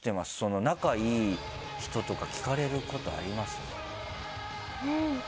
仲いい人とか聞かれることあります？